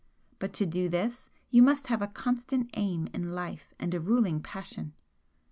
But to do this you must have a constant aim in life and a ruling passion.'